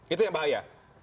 itu yang bahaya